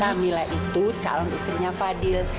namila itu calon istrinya fadil